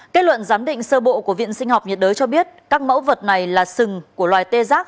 kết luận giám định sơ bộ của viện sinh học nhiệt đới cho biết các mẫu vật này là sừng của loài tê giác